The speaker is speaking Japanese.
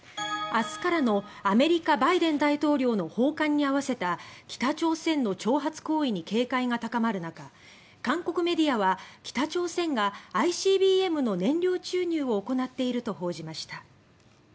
明日からのアメリカ、バイデン大統領の訪韓に合わせた北朝鮮の挑発行為に警戒が高まる中韓国メディアは北朝鮮がＩＣＢＭの燃料注入を行っていると報じました。